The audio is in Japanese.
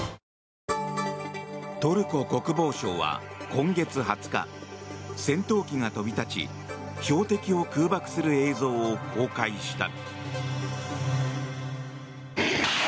トルコ国防省は今月２０日戦闘機が飛び立ち標的を空爆する映像を公開した。